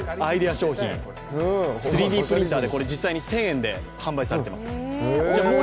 ３Ｄプリンターで実際にこれは１０００円で販売されています。